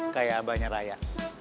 kayak abahnya raya